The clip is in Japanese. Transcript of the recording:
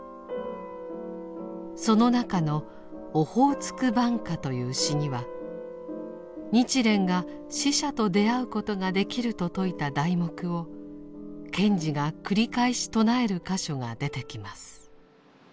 その中の「オホーツク挽歌」という詩には日蓮が死者と出会うことができると説いた題目を賢治が繰り返し唱える箇所が出てきます。